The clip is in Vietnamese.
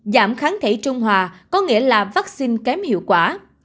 giảm kháng thể trung hòa có nghĩa là vaccine kém hiệu quả